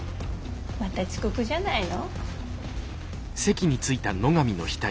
また遅刻じゃないの？